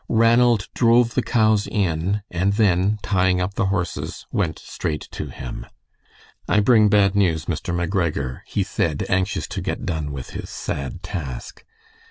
Ranald drove the cows in, and then, tying up the horses, went straight to him. "I bring bad news, Mr. McGregor," he said, anxious to get done with his sad task.